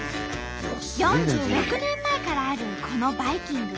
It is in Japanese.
４６年前からあるこのバイキング。